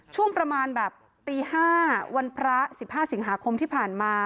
ช่วงประมาณแบบตี๕วันพระ๑๕สิงหาคมที่ผ่านมา